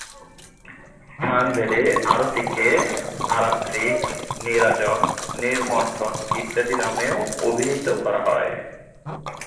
স্থানভেদে আরতিকে আরাত্রিক, নীরাজন, নির্মন্থন ইত্যাদি নামেও অভিহিত করা হয়।